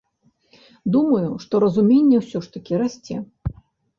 Думаю, што разуменне ўсё ж такі расце.